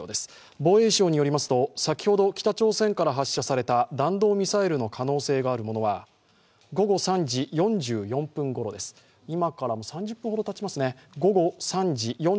防衛省によりますと先ほど北朝鮮から発射された弾道ミサイルの可能性があるものは午後３時４４分ごろ、今から３０分ほどたちますね。